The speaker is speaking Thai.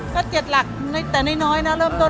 ก็เจ็ดหลักน้อยแต่น้อยเริ่มต้น